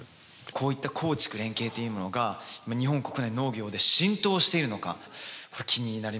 こういった耕畜連携というものが日本国内の農業で浸透しているのかこれ気になりましたね。